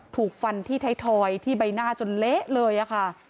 ถูกฟันที่ไทยทอยที่ใบหน้าจนเละเลยค่ะ